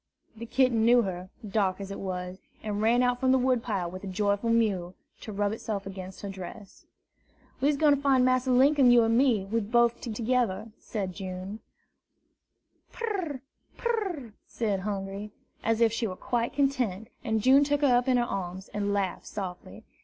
The kitten knew her, dark as it was, and ran out from the wood pile with a joyful mew, to rub itself against her dress. "We's gwine to fine Massa Linkum, you an' me, bof two togeder," said June. "Pur! pur r r!" said Hungry, as if she were quite content; and June took her up in her arms, and laughed softly.